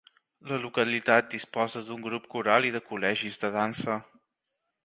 La localitat disposa d'un grup coral i de col·legis de dansa.